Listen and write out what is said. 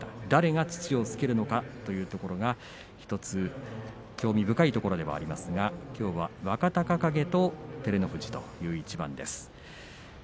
誰が土をつけるのかというところが１つ興味深いところでもありますがきょうは若隆景と照ノ富士という一番です。